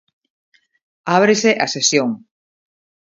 Ábrese a sesión.